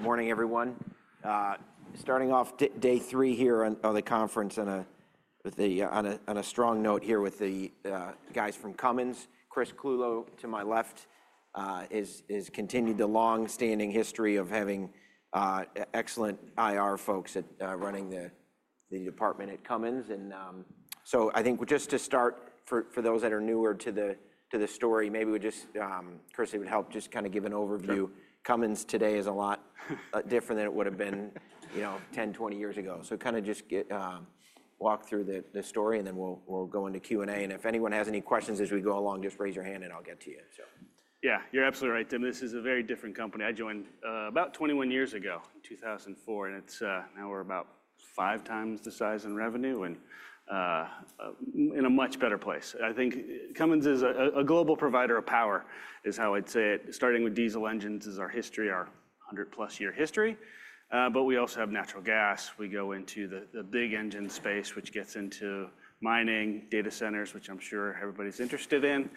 Good morning, everyone. Starting off day three here on the conference, and on a strong note here with the guys from Cummins. Chris Clulow, to my left, has continued the long-standing history of having excellent IR folks at running the department at Cummins, and so I think just to start, for those that are newer to the story, maybe we just, Chris, if you would help just kind of give an overview. Cummins today is a lot different than it would have been, you know, 10, 20 years ago, so kind of just walk through the story, and then we'll go into Q&A, and if anyone has any questions as we go along, just raise your hand, and I'll get to you. Yeah, you're absolutely right, Tim. This is a very different company. I joined about 21 years ago, 2004, and it's now we're about five times the size in revenue and in a much better place. I think Cummins is a global provider of power, is how I'd say it. Starting with diesel engines is our history, our 100+ year history. But we also have natural gas. We go into the big engine space, which gets into mining, data centers, which I'm sure everybody's interested in,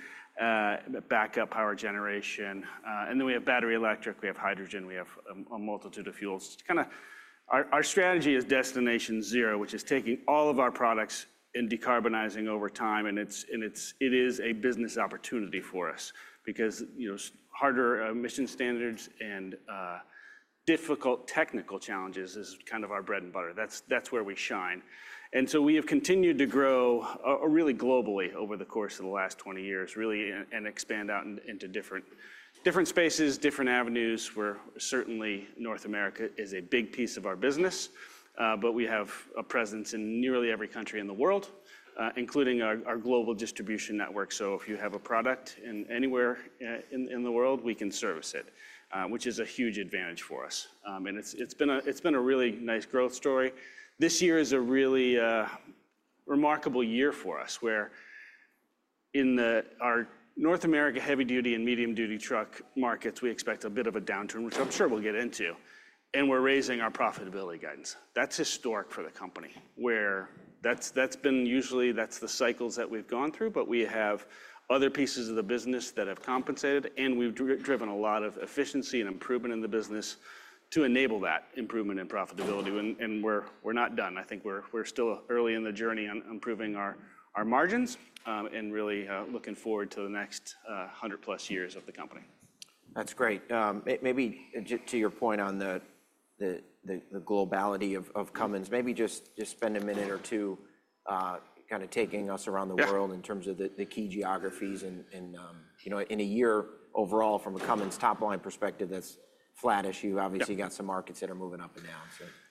backup power generation. And then we have battery electric, we have hydrogen, we have a multitude of fuels. Kind of our strategy is Destination Zero, which is taking all of our products and decarbonizing over time. And it's a business opportunity for us because, you know, harder emission standards and difficult technical challenges is kind of our bread and butter. That's where we shine. And so we have continued to grow really globally over the course of the last 20 years, really, and expand out into different spaces, different avenues. We're certainly, North America is a big piece of our business, but we have a presence in nearly every country in the world, including our global distribution network. So if you have a product anywhere in the world, we can service it, which is a huge advantage for us. And it's been a really nice growth story. This year is a really remarkable year for us where in our North America heavy-duty and medium-duty truck markets, we expect a bit of a downturn, which I'm sure we'll get into. And we're raising our profitability guidance. That's historic for the company where that's been usually the cycles that we've gone through, but we have other pieces of the business that have compensated, and we've driven a lot of efficiency and improvement in the business to enable that improvement in profitability, and we're not done. I think we're still early in the journey on improving our margins and really looking forward to the next 100+ years of the company. That's great. Maybe to your point on the globality of Cummins, maybe just spend a minute or two kind of taking us around the world in terms of the key geographies, and you know, in a year overall, from a Cummins top-line perspective, that's flattish. You've obviously got some markets that are moving up and down.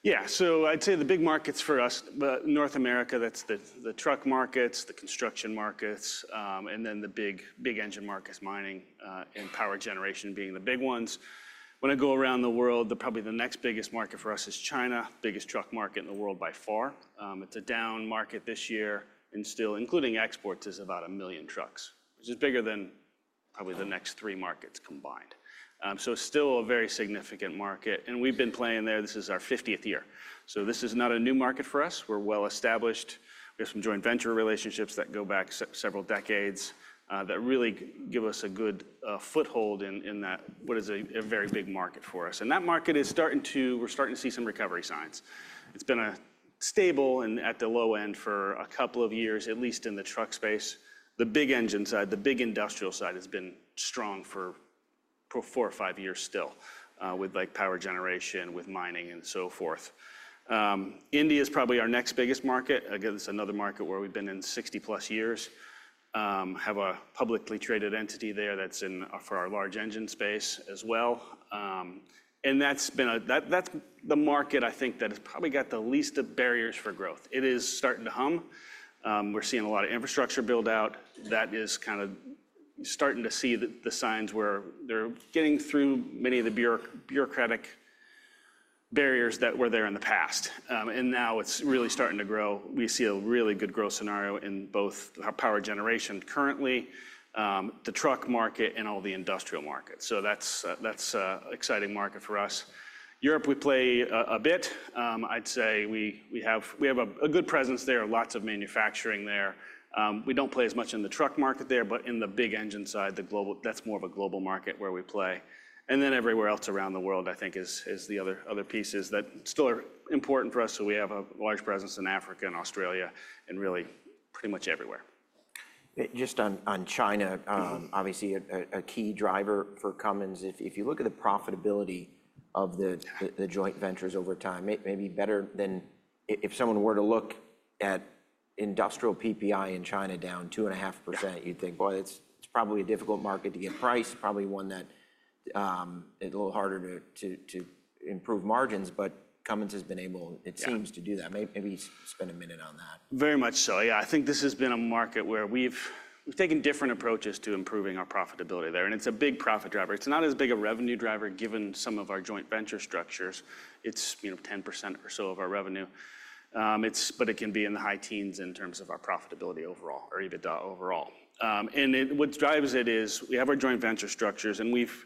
Yeah, so I'd say the big markets for us, North America, that's the truck markets, the construction markets, and then the big engine markets, mining and power generation being the big ones. When I go around the world, probably the next biggest market for us is China, biggest truck market in the world by far. It's a down market this year, and still, including exports, is about a million trucks, which is bigger than probably the next three markets combined. So still a very significant market. And we've been playing there. This is our 50th year. So this is not a new market for us. We're well established. We have some joint venture relationships that go back several decades that really give us a good foothold in that what is a very big market for us. And that market is starting to, we're starting to see some recovery signs. It's been stable and at the low end for a couple of years, at least in the truck space. The big engine side, the big industrial side has been strong for four or five years still with power generation, with mining, and so forth. India is probably our next biggest market. Again, it's another market where we've been in 60+ years. Have a publicly traded entity there that's in for our large engine space as well. And that's been a, that's the market I think that has probably got the least of barriers for growth. It is starting to hum. We're seeing a lot of infrastructure build out. That is kind of starting to see the signs where they're getting through many of the bureaucratic barriers that were there in the past. And now it's really starting to grow. We see a really good growth scenario in both power generation currently, the truck market, and all the industrial markets. So that's an exciting market for us. Europe, we play a bit. I'd say we have a good presence there, lots of manufacturing there. We don't play as much in the truck market there, but in the big engine side, that's more of a global market where we play. And then everywhere else around the world, I think, is the other pieces that still are important for us. So we have a large presence in Africa and Australia and really pretty much everywhere. Just on China, obviously a key driver for Cummins. If you look at the profitability of the joint ventures over time, maybe better than if someone were to look at industrial PPI in China down 2.5%, you'd think, boy, it's probably a difficult market to get priced, probably one that is a little harder to improve margins, but Cummins has been able, it seems, to do that. Maybe spend a minute on that. Very much so. Yeah, I think this has been a market where we've taken different approaches to improving our profitability there. And it's a big profit driver. It's not as big a revenue driver given some of our joint venture structures. It's 10% or so of our revenue, but it can be in the high teens in terms of our profitability overall, or EBITDA overall. And what drives it is we have our joint venture structures, and we've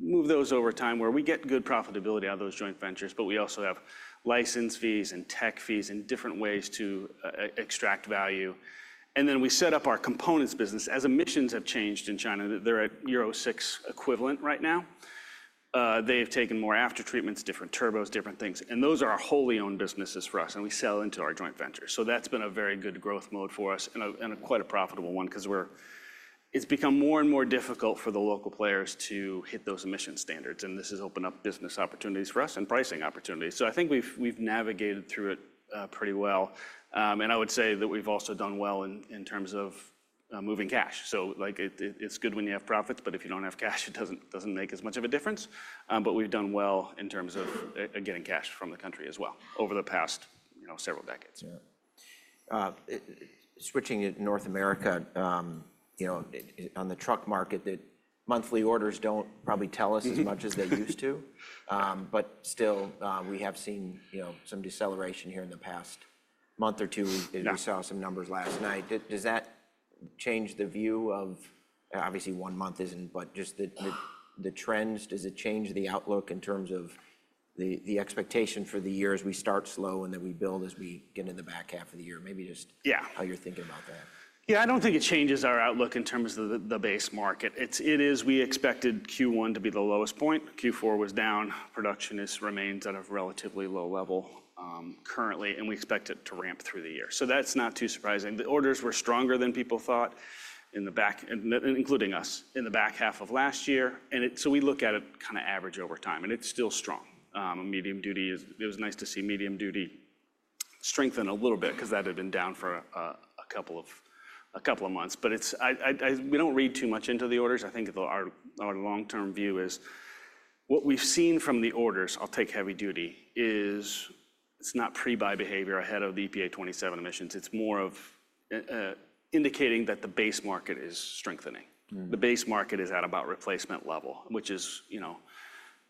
moved those over time where we get good profitability out of those joint ventures, but we also have license fees and tech fees and different ways to extract value. And then we set up our components business as emissions have changed in China. They're at Euro VI equivalent right now. They've taken more aftertreatments, different turbos, different things. Those are our wholly owned businesses for us, and we sell into our joint ventures. That's been a very good growth mode for us and quite a profitable one because it's become more and more difficult for the local players to hit those emission standards. This has opened up business opportunities for us and pricing opportunities. I think we've navigated through it pretty well. I would say that we've also done well in terms of moving cash. It's good when you have profits, but if you don't have cash, it doesn't make as much of a difference. We've done well in terms of getting cash from the country as well over the past several decades. Switching to North America, you know, on the truck market, the monthly orders don't probably tell us as much as they used to. But still, we have seen some deceleration here in the past month or two. We saw some numbers last night. Does that change the view of, obviously, one month isn't, but just the trends? Does it change the outlook in terms of the expectation for the year as we start slow and then we build as we get into the back half of the year? Maybe just how you're thinking about that. Yeah, I don't think it changes our outlook in terms of the base market. It is. We expected Q1 to be the lowest point. Q4 was down. Production remains at a relatively low level currently, and we expect it to ramp through the year. So that's not too surprising. The orders were stronger than people thought, including us, in the back half of last year. And so we look at it kind of average over time, and it's still strong. Medium duty, it was nice to see medium duty strengthen a little bit because that had been down for a couple of months. But we don't read too much into the orders. I think our long-term view is what we've seen from the orders. I'll take heavy duty. It's not pre-buy behavior ahead of the EPA 27 emissions. It's more of indicating that the base market is strengthening. The base market is at about replacement level, which is, you know,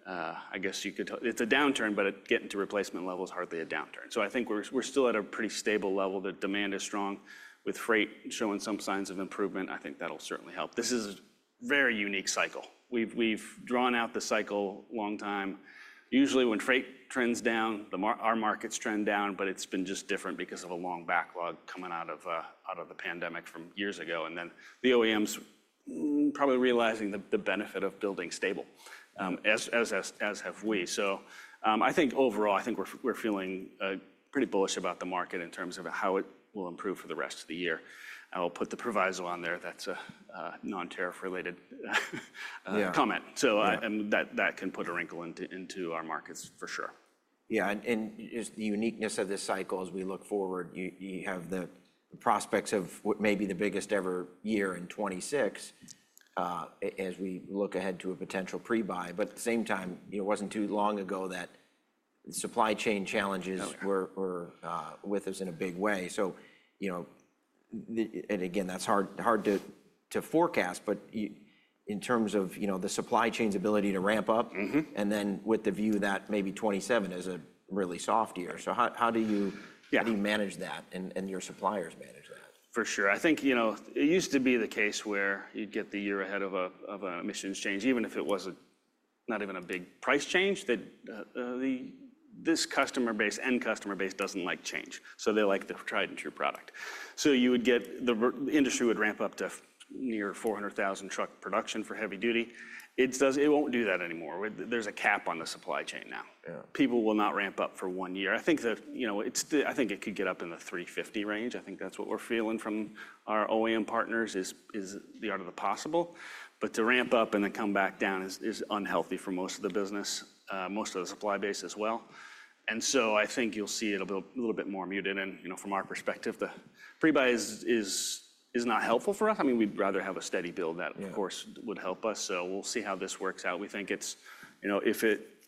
I guess you could, it's a downturn, but getting to replacement level is hardly a downturn. So I think we're still at a pretty stable level. The demand is strong with freight showing some signs of improvement. I think that'll certainly help. This is a very unique cycle. We've drawn out the cycle a long time. Usually when freight trends down, our markets trend down, but it's been just different because of a long backlog coming out of the pandemic from years ago. And then the OEMs probably realizing the benefit of building stable, as have we. So I think overall, I think we're feeling pretty bullish about the market in terms of how it will improve for the rest of the year. I will put the proviso on there. That's a non-terrifying comment. So that can put a wrinkle into our markets for sure. Yeah, and the uniqueness of this cycle as we look forward, you have the prospects of what may be the biggest ever year in 2026 as we look ahead to a potential pre-buy. But at the same time, it wasn't too long ago that supply chain challenges were with us in a big way. So, you know, and again, that's hard to forecast, but in terms of, you know, the supply chain's ability to ramp up, and then with the view that maybe 2027 is a really soft year. So how do you manage that and your suppliers manage that? For sure. I think, you know, it used to be the case where you'd get the year ahead of an emissions change, even if it was not even a big price change, that this customer base, end customer base doesn't like change. So they like the tried-and-true product. So you would get the industry would ramp up to near 400,000 truck production for heavy duty. It won't do that anymore. There's a cap on the supply chain now. People will not ramp up for one year. I think that, you know, I think it could get up in the 350 range. I think that's what we're feeling from our OEM partners is the art of the possible. But to ramp up and then come back down is unhealthy for most of the business, most of the supply base as well. And so I think you'll see it a little bit more muted. And, you know, from our perspective, the pre-buy is not helpful for us. I mean, we'd rather have a steady build that, of course, would help us. So we'll see how this works out. We think it's, you know, if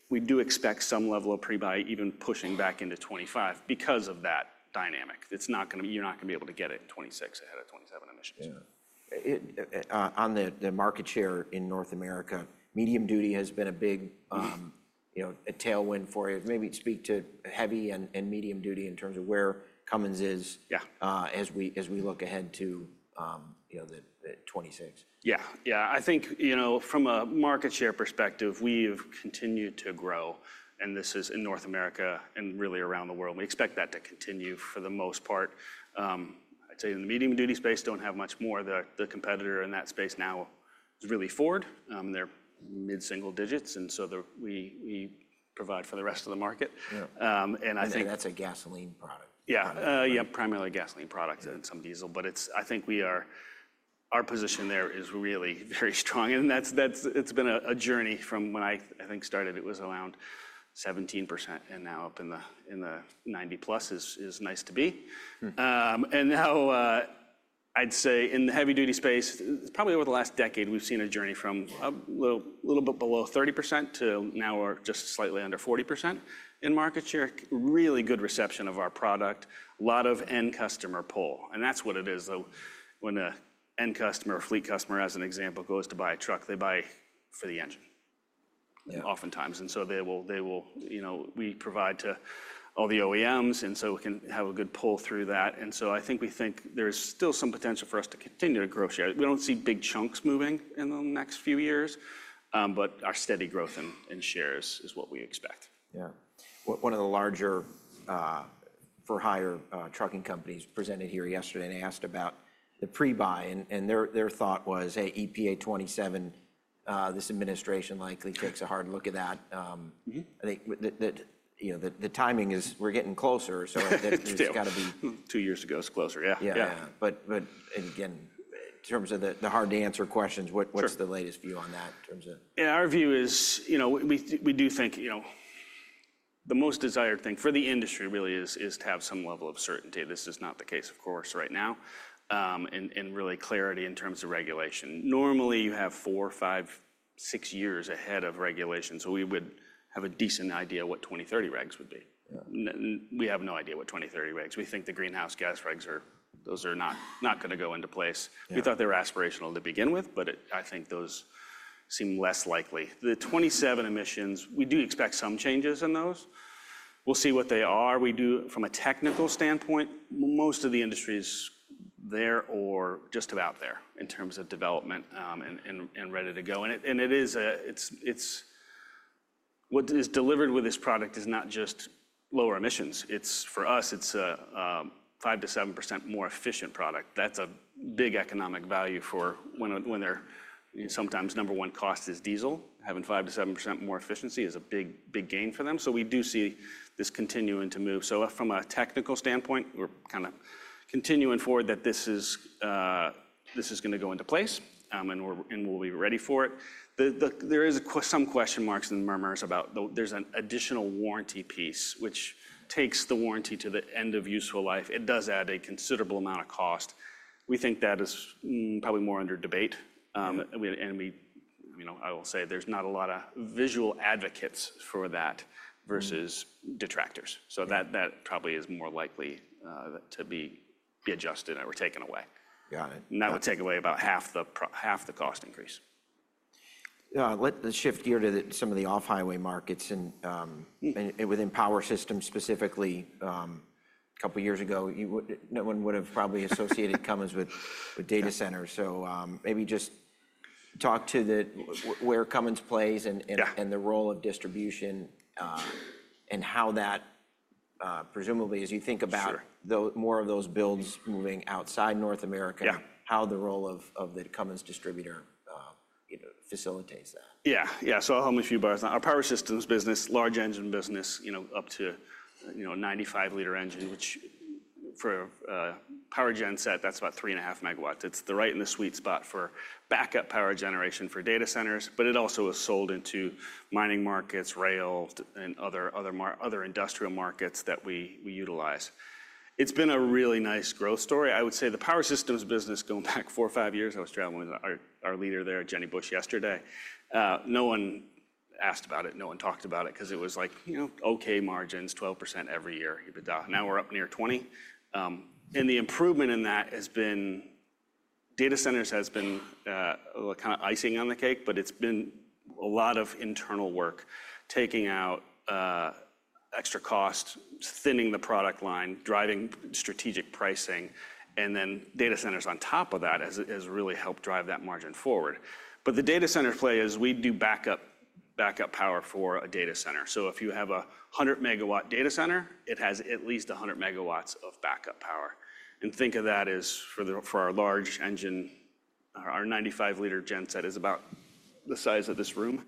we do expect some level of pre-buy, even pushing back into 2025 because of that dynamic, it's not going to be, you're not going to be able to get it in 2026 ahead of 2027 emissions. On the market share in North America, medium duty has been a big, you know, a tailwind for you. Maybe speak to heavy and medium duty in terms of where Cummins is as we look ahead to, you know, 2026. Yeah, yeah. I think, you know, from a market share perspective, we've continued to grow. And this is in North America and really around the world. We expect that to continue for the most part. I'd say in the medium duty space, don't have much more. The competitor in that space now is really Ford. They're mid-single digits. And so we provide for the rest of the market. That's a gasoline product. Yeah, primarily gasoline products and some diesel. But I think our position there is really very strong. And it's been a journey from when I think started, it was around 17% and now up in the 90 plus is nice to be. And now I'd say in the heavy duty space, probably over the last decade, we've seen a journey from a little bit below 30% to now we're just slightly under 40% in market share. Really good reception of our product, a lot of end customer pull. And that's what it is. When an end customer or fleet customer, as an example, goes to buy a truck, they buy for the engine oftentimes. And so they will, you know, we provide to all the OEMs and so we can have a good pull through that. And so I think we think there's still some potential for us to continue to grow share. We don't see big chunks moving in the next few years, but our steady growth in shares is what we expect. Yeah. One of the larger for-hire trucking companies presented here yesterday and asked about the pre-buy. And their thought was, hey, EPA 27, this administration likely takes a hard look at that. I think that, you know, the timing is we're getting closer. So there's got to be. Two years ago is closer. Yeah. Yeah, but again, in terms of the hard to answer questions, what's the latest view on that in terms of? Yeah, our view is, you know, we do think, you know, the most desired thing for the industry really is to have some level of certainty. This is not the case, of course, right now, and really clarity in terms of regulation. Normally you have four, five, six years ahead of regulation. So we would have a decent idea what 2030 regs would be. We have no idea what 2030 regs. We think the greenhouse gas regs are, those are not going to go into place. We thought they were aspirational to begin with, but I think those seem less likely. The 2027 emissions, we do expect some changes in those. We'll see what they are. We do, from a technical standpoint, most of the industry is there or just about there in terms of development and ready to go. It is what is delivered with this product: not just lower emissions. For us, it's a 5%-7% more efficient product. That's a big economic value for when their sometimes number one cost is diesel. Having 5%-7% more efficiency is a big gain for them. We do see this continuing to move. From a technical standpoint, we're kind of continuing forward that this is going to go into place and we'll be ready for it. There are some question marks and murmurs about. There's an additional warranty piece, which takes the warranty to the end of useful life. It does add a considerable amount of cost. We think that is probably more under debate. I will say there's not a lot of vocal advocates for that versus detractors. That probably is more likely to be adjusted or taken away. That would take away about half the cost increase. Let's shift gear to some of the off-highway markets and within power systems specifically. A couple of years ago, no one would have probably associated Cummins with data centers. So maybe just talk to where Cummins plays and the role of distribution and how that presumably, as you think about more of those builds moving outside North America, how the role of the Cummins distributor facilitates that. Yeah, yeah. So I'll hum a few bars now. Our power systems business, large engine business, you know, up to, you know, 95-liter engine, which, for a power genset, that's about three and a half megawatts. It's right in the sweet spot for backup power generation for data centers, but it also is sold into mining markets, rail, and other industrial markets that we utilize. It's been a really nice growth story. I would say the power systems business going back four or five years. I was traveling with our leader there, Jenny Bush, yesterday. No one asked about it. No one talked about it because it was like, you know, okay margins, 12% every year. Now we're up near 20%. And the improvement in that has been data centers has been kind of icing on the cake, but it's been a lot of internal work, taking out extra costs, thinning the product line, driving strategic pricing. And then data centers on top of that has really helped drive that margin forward. But the data center play is we do backup power for a data center. So if you have a 100 MW data center, it has at least 100 MW of backup power. And think of that as for our large engine, our 95-liter genset is about the size of this room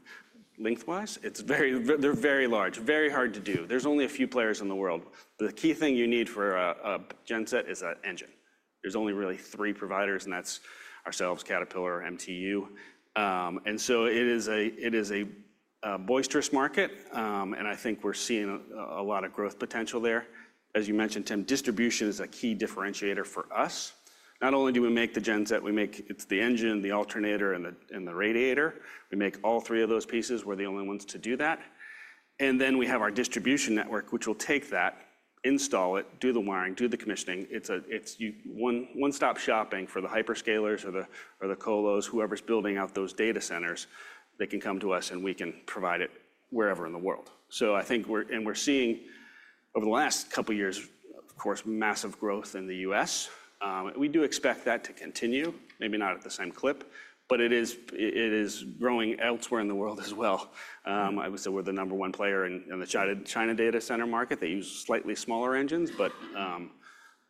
lengthwise. They're very large, very hard to do. There's only a few players in the world. The key thing you need for a genset is an engine. There's only really three providers, and that's ourselves, Caterpillar, MTU. And so it is a robust market. I think we're seeing a lot of growth potential there. As you mentioned, Tim, distribution is a key differentiator for us. Not only do we make the genset, we make the engine, the alternator, and the radiator. We make all three of those pieces. We're the only ones to do that, and then we have our distribution network, which will take that, install it, do the wiring, do the commissioning. It's one-stop shopping for the hyperscalers or the colos, whoever's building out those data centers. They can come to us and we can provide it wherever in the world. So I think, and we're seeing over the last couple of years, of course, massive growth in the U.S. We do expect that to continue, maybe not at the same clip, but it is growing elsewhere in the world as well. I would say we're the number one player in the China data center market. They use slightly smaller engines, but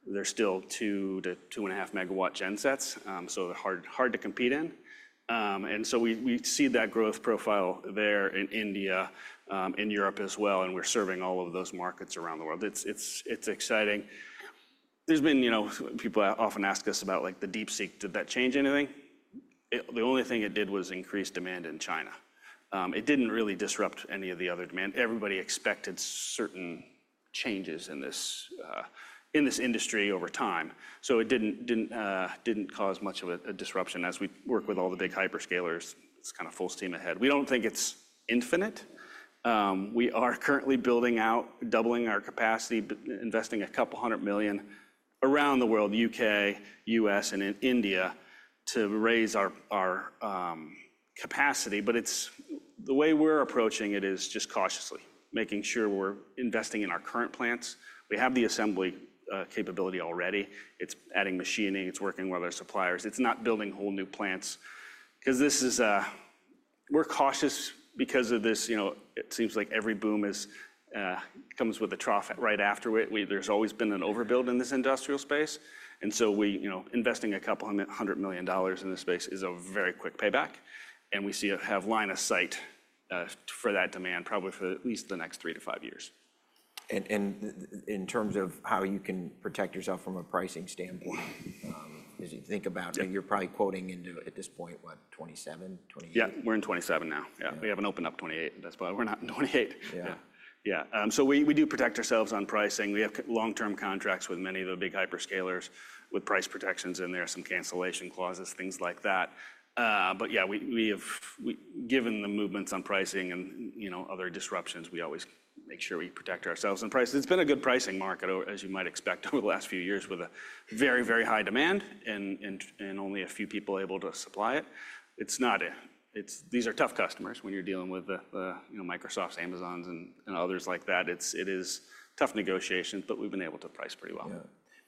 they're still 2 MW-2.5 MW gensets, so they're hard to compete in, and so we see that growth profile there in India, in Europe as well, and we're serving all of those markets around the world. It's exciting. There's been, you know, people often ask us about like the DeepSeek, did that change anything? The only thing it did was increase demand in China. It didn't really disrupt any of the other demand. Everybody expected certain changes in this industry over time, so it didn't cause much of a disruption as we work with all the big hyperscalers. It's kind of full steam ahead. We don't think it's infinite. We are currently building out, doubling our capacity, investing a couple hundred million dollars around the world, U.K., U.S., and in India to raise our capacity, but the way we're approaching it is just cautiously, making sure we're investing in our current plants. We have the assembly capability already. It's adding machining. It's working with our suppliers. It's not building whole new plants. Because this is, we're cautious because of this, you know, it seems like every boom comes with a trough right after it. There's always been an overbuild in this industrial space, and so we, you know, investing a couple hundred million dollars in this space is a very quick payback. And we have line of sight for that demand probably for at least the next three to five years. In terms of how you can protect yourself from a pricing standpoint, as you think about, you're probably quoting into at this point, what, 2027? Yeah, we're in 2027 now. Yeah, we haven't opened up 2028. That's why we're not in 2028. Yeah, yeah. So we do protect ourselves on pricing. We have long-term contracts with many of the big hyperscalers with price protections in there, some cancellation clauses, things like that. But yeah, we have given the movements on pricing and, you know, other disruptions, we always make sure we protect ourselves on price. It's been a good pricing market, as you might expect over the last few years with a very, very high demand and only a few people able to supply it. It's not, these are tough customers when you're dealing with the, you know, Microsofts, Amazons, and others like that. It is tough negotiations, but we've been able to price pretty well. Yeah.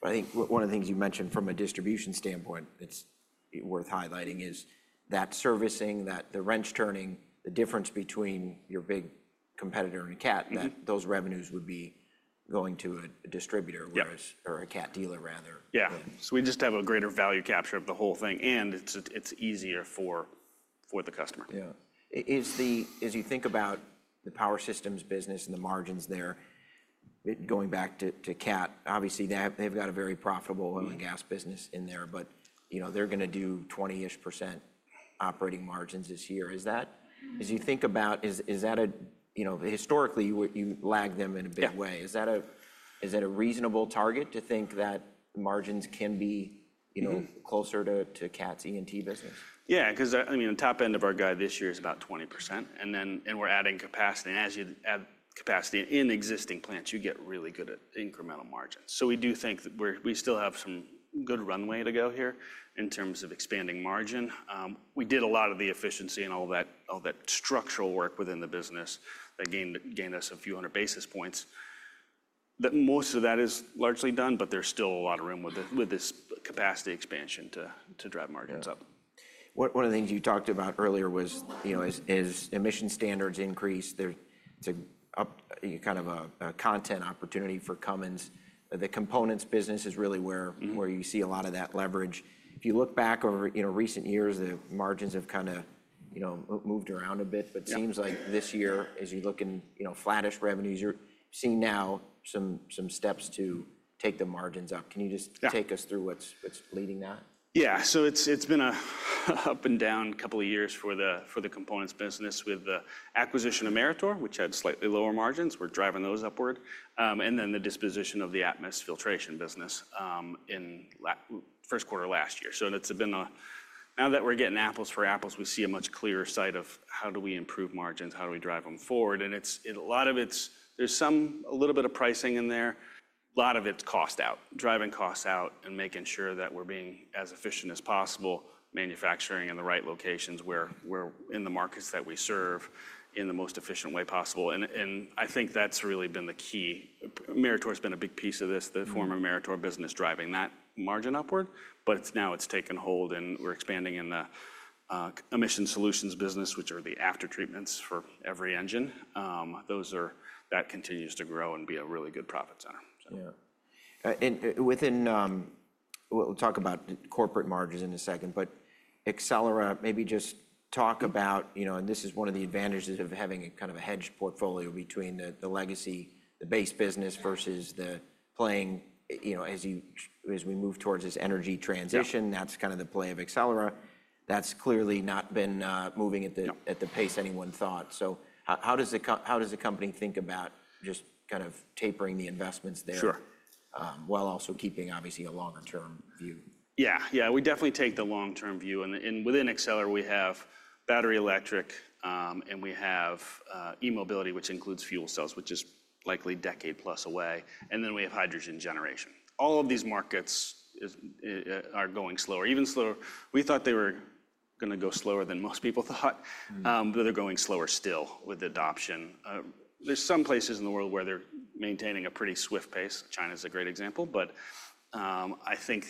I think one of the things you mentioned from a distribution standpoint that's worth highlighting is that servicing, that the wrench turning, the difference between your big competitor and CAT, that those revenues would be going to a distributor or a CAT dealer rather. Yeah, so we just have a greater value capture of the whole thing, and it's easier for the customer. Yeah. As you think about the power systems business and the margins there, going back to CAT, obviously they've got a very profitable oil and gas business in there, but, you know, they're going to do 20-ish% operating margins this year. As you think about, is that a, you know, historically you lag them in a big way. Is that a reasonable target to think that the margins can be, you know, closer to CAT's E&T business? Yeah. Because, I mean, the top end of our guide this year is about 20%. And then we're adding capacity. And as you add capacity in existing plants, you get really good incremental margins. So we do think that we still have some good runway to go here in terms of expanding margin. We did a lot of the efficiency and all that structural work within the business that gained us a few hundred basis points. Most of that is largely done, but there's still a lot of room with this capacity expansion to drive margins up. One of the things you talked about earlier was, you know, as emission standards increase, there's kind of a content opportunity for Cummins. The components business is really where you see a lot of that leverage. If you look back over, you know, recent years, the margins have kind of, you know, moved around a bit. But it seems like this year, as you look in, you know, flattish revenues, you're seeing now some steps to take the margins up. Can you just take us through what's leading that? Yeah. So it's been an up and down couple of years for the components business with the acquisition of Meritor, which had slightly lower margins. We're driving those upward, and then the disposition of the Atmus filtration business in first quarter last year. So it's been a, now that we're getting apples for apples, we see a much clearer sight of how do we improve margins, how do we drive them forward. And a lot of it's, there's some, a little bit of pricing in there. A lot of it's cost out, driving costs out and making sure that we're being as efficient as possible, manufacturing in the right locations where we're in the markets that we serve in the most efficient way possible. And I think that's really been the key. Meritor has been a big piece of this, the former Meritor business driving that margin upward, but now it's taken hold and we're expanding in the emission solutions business, which are the aftertreatments for every engine. That continues to grow and be a really good profit center. Yeah. And within, we'll talk about corporate margins in a second, but Accelera, maybe just talk about, you know, and this is one of the advantages of having a kind of a hedge portfolio between the legacy, the base business versus the playing, you know, as we move towards this energy transition, that's kind of the play of Accelera. That's clearly not been moving at the pace anyone thought. So how does the company think about just kind of tapering the investments there while also keeping, obviously, a longer-term view? Yeah, yeah. We definitely take the long-term view. And within Accelera, we have battery electric and we have e-mobility, which includes fuel cells, which is likely a decade plus away. And then we have hydrogen generation. All of these markets are going slower, even slower. We thought they were going to go slower than most people thought, but they're going slower still with adoption. There's some places in the world where they're maintaining a pretty swift pace. China's a great example, but I think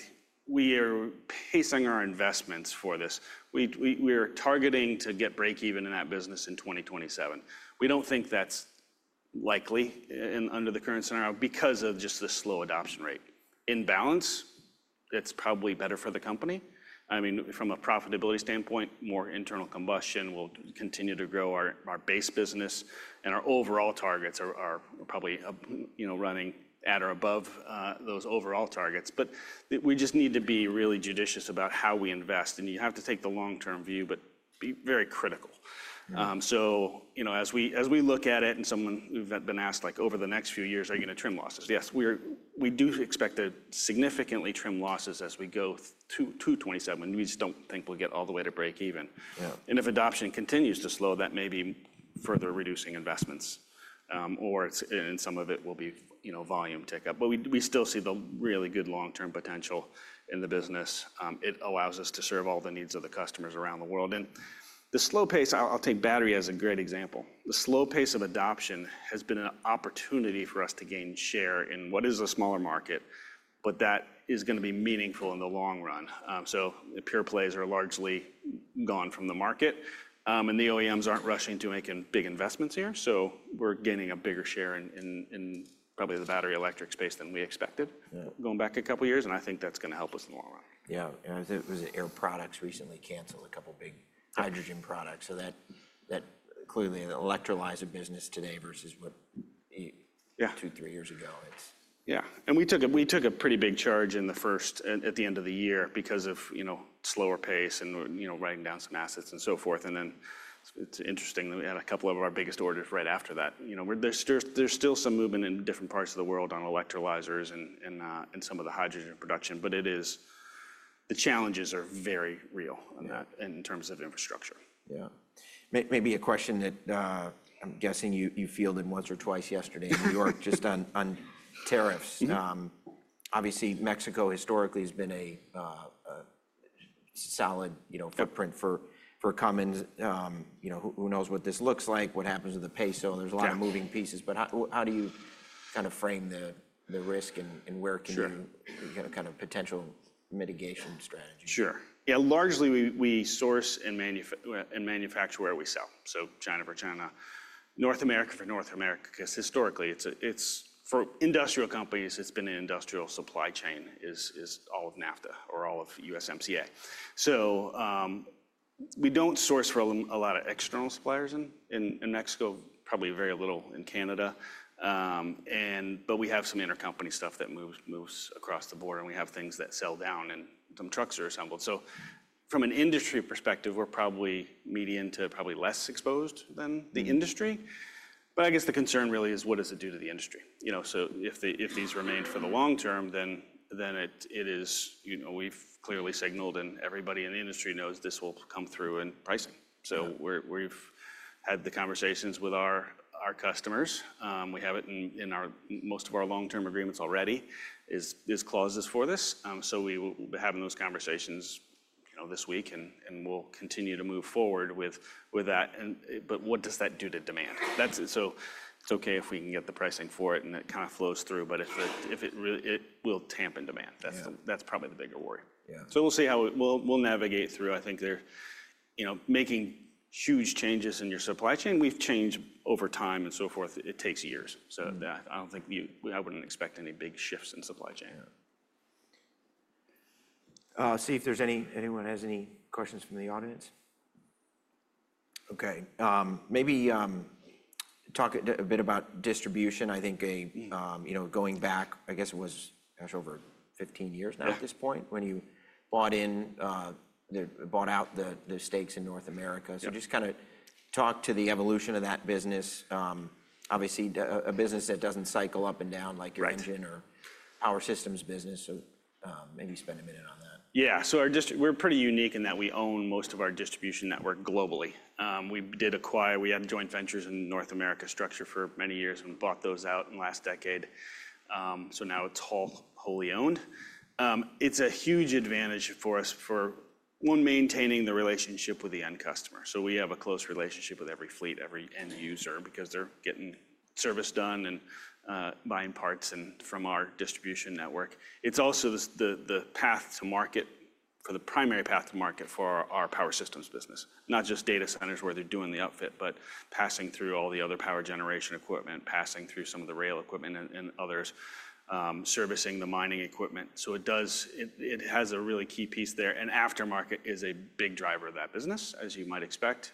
we are pacing our investments for this. We are targeting to get break-even in that business in 2027. We don't think that's likely under the current scenario because of just the slow adoption rate. In balance, it's probably better for the company. I mean, from a profitability standpoint, more internal combustion will continue to grow our base business and our overall targets are probably, you know, running at or above those overall targets. But we just need to be really judicious about how we invest. And you have to take the long-term view, but be very critical. So, you know, as we look at it and someone who's been asked like over the next few years, are you going to trim losses? Yes, we do expect to significantly trim losses as we go to 2027. We just don't think we'll get all the way to break-even. And if adoption continues to slow, that may be further reducing investments. Or in some of it will be, you know, volume tick up. But we still see the really good long-term potential in the business. It allows us to serve all the needs of the customers around the world. And the slow pace, I'll take battery as a great example. The slow pace of adoption has been an opportunity for us to gain share in what is a smaller market, but that is going to be meaningful in the long run. So pure plays are largely gone from the market. And the OEMs aren't rushing to make big investments here. So we're gaining a bigger share in probably the battery electric space than we expected going back a couple of years. And I think that's going to help us in the long run. Yeah. It was Air Products that recently canceled a couple of big hydrogen projects. So that clearly eviscerated a business today versus what two, three years ago. Yeah. And we took a pretty big charge in the first, at the end of the year because of, you know, slower pace and, you know, writing down some assets and so forth. And then it's interesting that we had a couple of our biggest orders right after that. You know, there's still some movement in different parts of the world on electrolyzers and some of the hydrogen production, but it is, the challenges are very real in that in terms of infrastructure. Yeah. Maybe a question that I'm guessing you fielded once or twice yesterday in New York just on tariffs. Obviously, Mexico historically has been a solid, you know, footprint for Cummins. You know, who knows what this looks like, what happens with the peso. There's a lot of moving pieces. But how do you kind of frame the risk and where can you kind of potential mitigation strategy? Sure. Yeah. Largely we source and manufacture where we sell. So China for China, North America for North America. Because historically, for industrial companies, it's been an industrial supply chain is all of NAFTA or all of USMCA. So we don't source from a lot of external suppliers in Mexico, probably very little in Canada. But we have some intercompany stuff that moves across the board. And we have things that sell down and some trucks are assembled. So from an industry perspective, we're probably medium to probably less exposed than the industry. But I guess the concern really is what does it do to the industry? You know, so if these remain for the long term, then it is, you know, we've clearly signaled and everybody in the industry knows this will come through in pricing. So we've had the conversations with our customers. We have it in most of our long-term agreements already, these clauses for this. So we will be having those conversations, you know, this week and we'll continue to move forward with that. But what does that do to demand? So it's okay if we can get the pricing for it and it kind of flows through, but if it will tamp in demand, that's probably the bigger worry. So we'll see how we'll navigate through. I think they're, you know, making huge changes in your supply chain. We've changed over time and so forth. It takes years. So I don't think I wouldn't expect any big shifts in supply chain. See if there's any, anyone has any questions from the audience? Okay. Maybe talk a bit about distribution. I think, you know, going back, I guess it was over 15 years now at this point when you bought in, bought out the stakes in North America. So just kind of talk to the evolution of that business. Obviously, a business that doesn't cycle up and down like your engine or power systems business. So maybe spend a minute on that. Yeah. So we're pretty unique in that we own most of our distribution network globally. We had joint ventures in North America structured for many years and bought those out in the last decade. So now it's wholly owned. It's a huge advantage for us for maintaining the relationship with the end customer. So we have a close relationship with every fleet, every end user because they're getting service done and buying parts from our distribution network. It's also the primary path to market for our power systems business, not just data centers where they're doing the outfitting, but passing through all the other power generation equipment, passing through some of the rail equipment and others, servicing the mining equipment. So it has a really key piece there. Aftermarket is a big driver of that business, as you might expect.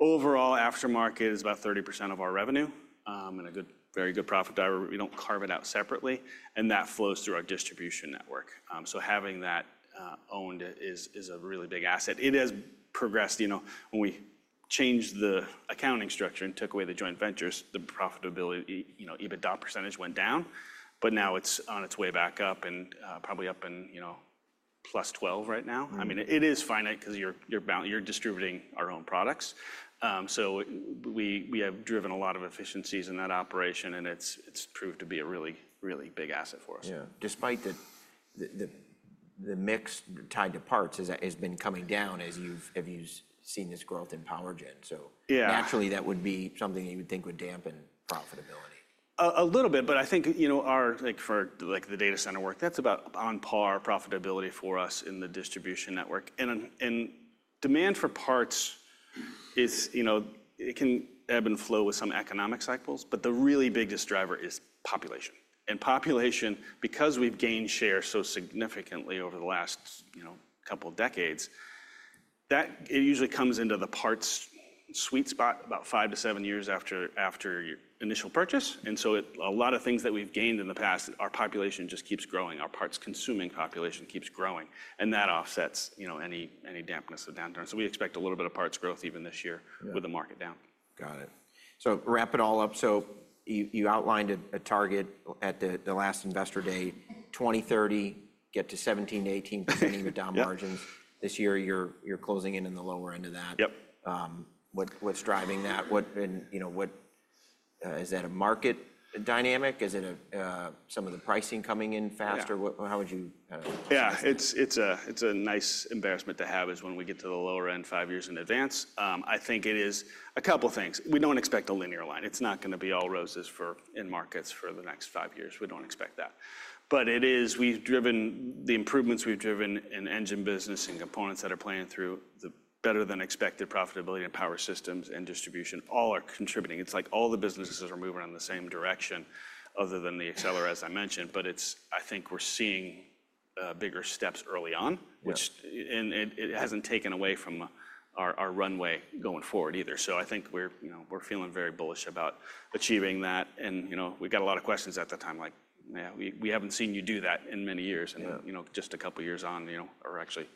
Overall, aftermarket is about 30% of our revenue and a good, very good profit driver. We don't carve it out separately. And that flows through our distribution network. So having that owned is a really big asset. It has progressed, you know, when we changed the accounting structure and took away the joint ventures, the profitability, you know, EBITDA percentage went down, but now it's on its way back up and probably up in, you know, plus 12% right now. I mean, it is finite because you're distributing our own products. So we have driven a lot of efficiencies in that operation and it's proved to be a really, really big asset for us. Yeah. Despite that the mix tied to parts has been coming down as you've seen this growth in power gen. So naturally that would be something you would think would dampen profitability. A little bit, but I think, you know, our, like-for-like the data center work, that's about on par profitability for us in the distribution network. And demand for parts is, you know, it can ebb and flow with some economic cycles, but the really biggest driver is population. And population, because we've gained share so significantly over the last, you know, couple of decades, that it usually comes into the parts sweet spot about five to seven years after initial purchase. And so a lot of things that we've gained in the past, our population just keeps growing. Our parts consuming population keeps growing. And that offsets, you know, any dampening of downturn. So we expect a little bit of parts growth even this year with the market down. Got it. So wrap it all up. So you outlined a target at the last investor day, 2030, get to 17%-18% EBITDA margins. This year you're closing in on the lower end of that. What's driving that? What, you know, is that a market dynamic? Is it some of the pricing coming in faster? How would you? Yeah. It's a nice embarrassment to have is when we get to the lower end five years in advance. I think it is a couple of things. We don't expect a linear line. It's not going to be all roses in markets for the next five years. We don't expect that. But it is. We've driven the improvements in engine business and components that are playing through the better than expected profitability and power systems and distribution all are contributing. It's like all the businesses are moving in the same direction other than the Accelera, as I mentioned, but it's. I think we're seeing bigger steps early on, which it hasn't taken away from our runway going forward either. So I think we're, you know, we're feeling very bullish about achieving that. And, you know, we've got a lot of questions at the time, like, yeah, we haven't seen you do that in many years. And, you know, just a couple of years on, you know, or actually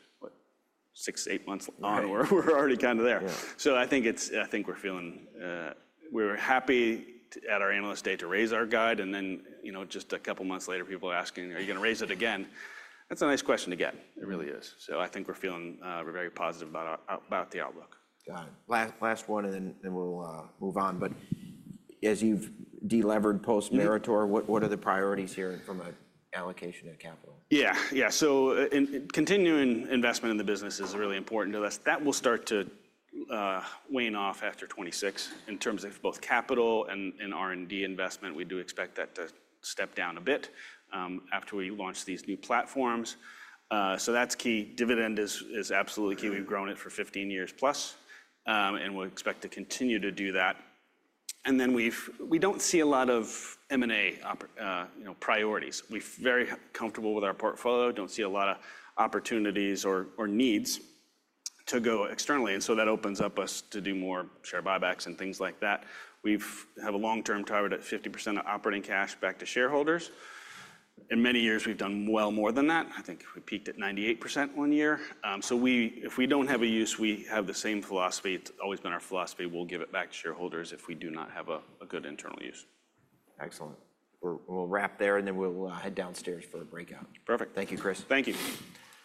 six, eight months on, we're already kind of there. So I think it's, I think we're feeling, we're happy at our analyst day to raise our guide. And then, you know, just a couple of months later, people are asking, are you going to raise it again? That's a nice question to get. It really is. So I think we're feeling very positive about the outlook. Got it. Last one and then we'll move on. But as you've delevered post-Meritor, what are the priorities here from an allocation of capital? Yeah, yeah. So continuing investment in the business is really important to us. That will start to wane off after 2026 in terms of both capital and R&D investment. We do expect that to step down a bit after we launch these new platforms. So that's key. Dividend is absolutely key. We've grown it for 15 years plus. And we expect to continue to do that. And then we don't see a lot of M&A priorities. We're very comfortable with our portfolio. Don't see a lot of opportunities or needs to go externally. And so that opens up us to do more share buybacks and things like that. We have a long-term target at 50% of operating cash back to shareholders. In many years, we've done well more than that. I think we peaked at 98% one year. So if we don't have a use, we have the same philosophy. It's always been our philosophy. We'll give it back to shareholders if we do not have a good internal use. Excellent. We'll wrap there and then we'll head downstairs for a breakout. Perfect. Thank you, Chris. Thank you.